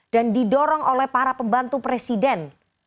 dan didorong oleh para pembantu presiden